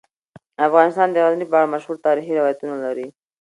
افغانستان د غزني په اړه مشهور تاریخی روایتونه لري.